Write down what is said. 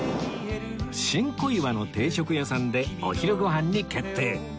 新小岩の定食屋さんでお昼ご飯に決定